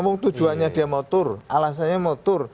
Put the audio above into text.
emang tujuannya dia mau tur alasannya mau tur